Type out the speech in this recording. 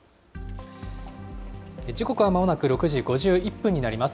時刻はまもなく６時５１分になります。